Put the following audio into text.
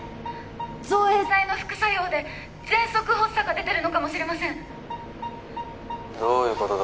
造影剤の副作用で喘息発作が出てるのかもしれませんどういうことだ？